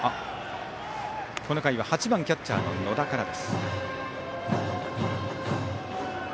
この回は８番、キャッチャーの野田からです。